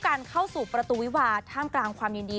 การเข้าสู่ประตูวิวาท่ามกลางความยินดี